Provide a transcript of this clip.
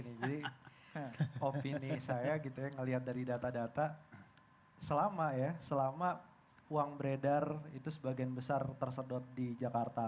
jadi opini saya ngelihat dari data data selama uang beredar itu sebagian besar tersedot di jakarta